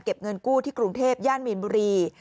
เงินกู้ที่กรุงเทพย่านมีนบุรี